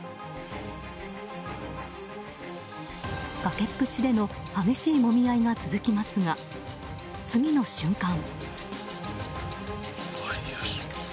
崖っぷちでの激しいもみ合いが続きますが、次の瞬間。